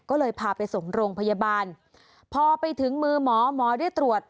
ก็เลยพาไปส่งโรงพยาบาลพอไปถึงมือหมอหมอได้ตรวจ